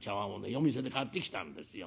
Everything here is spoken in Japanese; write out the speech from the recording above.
夜店で買ってきたんですよ。